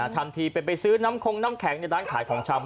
ทำทีเป็นไปซื้อน้ำคงน้ำแข็งในร้านขายของชำ